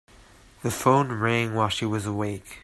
The phone rang while she was awake.